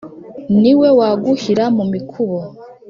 Ni we waguhira mu mikubo,